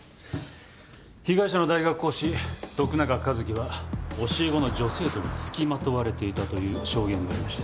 被害者の大学講師徳永和樹は教え子の女生徒につきまとわれていたという証言がありまして。